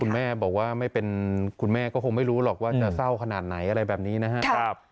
แม่บอกว่าไม่เป็นคุณแม่ก็คงไม่รู้หรอกว่าจะเศร้าขนาดไหนอะไรแบบนี้นะครับ